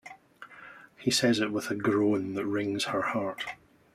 He says it with a groan that wrings her heart.